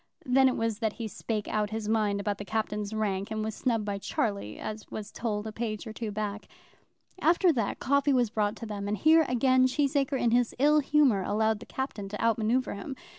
Then it was that he spake out his mind about the Captain's rank, and was snubbed by Charlie, as was told a page or two back. After that, coffee was brought to them, and here again Cheesacre in his ill humour allowed the Captain to out manoeuvre him.